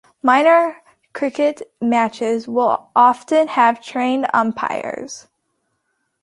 Minor cricket matches will often have trained umpires.